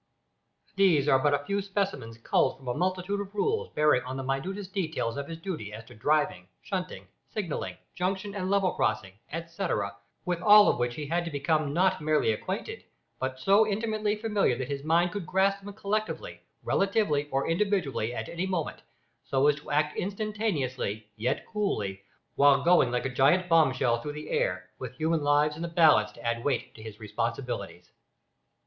These are but a few specimens culled from a multitude of rules bearing on the minutest details of his duty as to driving, shunting, signalling, junction and level crossing, etcetera, with all of which he had to become not merely acquainted, but so intimately familiar that his mind could grasp them collectively, relatively, or individually at any moment, so as to act instantaneously, yet coolly, while going like a giant bomb shell through the air with human lives in the balance to add weight to his responsibilities.